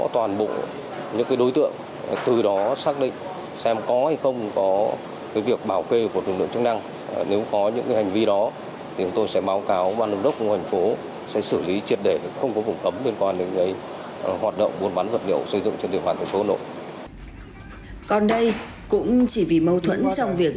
trú tại phường cổ nhuế một quận bắc tử liêm hà nội chuyên mua bán kinh doanh vật liệu xây dựng trên địa bàn hai quận tây hồ và bắc tử liêm